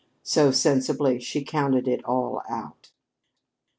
So, sensibly, she counted it all out.